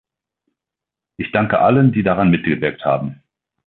Ich danke allen, die daran mitgewirkt haben!